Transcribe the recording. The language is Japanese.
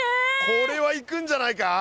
これはいくんじゃないか？